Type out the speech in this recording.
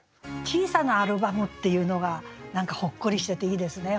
「小さなアルバム」っていうのが何かほっこりしてていいですね。